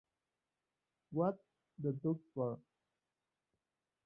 What's The Tux For?